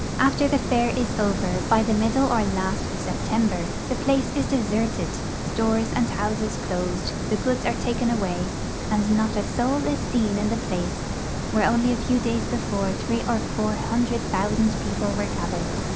After the fair is over, by the middle or last of September, the place is deserted, stores and houses closed, the goods are taken away, and not a soul is seen in the place where only a few days before three or four hundred thousand people were gathered.